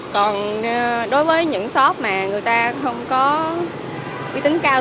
còn đối với những shop mà người ta không có uy tín cao